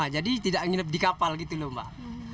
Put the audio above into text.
jadi tidak nginep di kapal gitu loh mbak